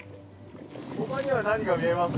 ◆ほかには何か見えます？